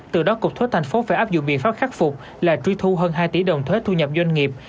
từ đó cục thuế thành phố phải áp dụng biện pháp khắc phục là truy thu hơn hai tỷ đồng thuế thu nhập doanh nghiệp